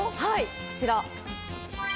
こちら。